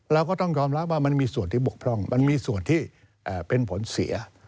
เราก็ต้องยอมรับว่ามันมีส่วนที่บกพร่องมันมีส่วนที่เป็นผลเสีย